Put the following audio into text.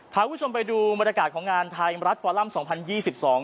พาคุณผู้ชมไปดูบรรยากาศของงานไทยรัฐฟอรัมน์๒๐๒๒